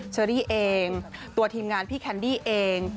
ฉลิเองเทียนงานพี่แคนดี้เอง